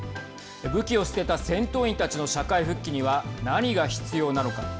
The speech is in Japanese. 武器を捨てた戦闘員たちの社会復帰には何が必要なのか。